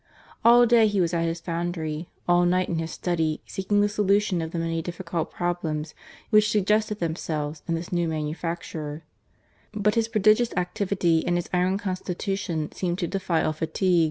All day he was at his foundry, all night in his study seeking the solution of the many difficult problems which suggested themselves in this new manufacture* But his prodigious activity and his iron constitution seemed to defy all fatigue.